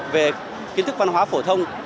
về kiến thức văn hóa phổ thông